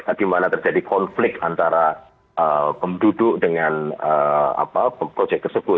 bagaimana terjadi konflik antara penduduk dengan proyek tersebut